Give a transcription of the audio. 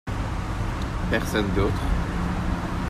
Personne d'autre.